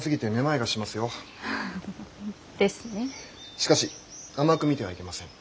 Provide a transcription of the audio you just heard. しかし甘く見てはいけません。